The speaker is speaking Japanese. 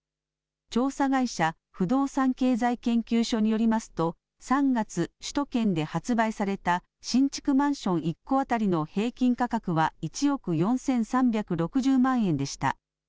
調査会社、不動産経済研究所によりますと、３月、首都圏で発売された新築マンション１戸当たりの平均価格は１億４３６０万円でした。